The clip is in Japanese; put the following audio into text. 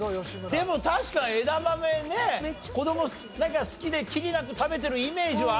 でも確かに枝豆ね子供なんか好きできりなく食べてるイメージはあるけどね。